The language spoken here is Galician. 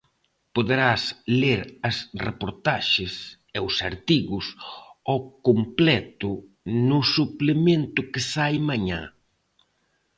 Poderás ler as reportaxes e os artigos ao completo no suplemento que sae mañá.